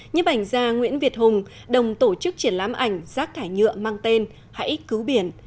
nhiếp ảnh gia nguyễn việt hùng đồng tổ chức triển lãm ảnh rác thải nhựa mang tên hãy cứu biển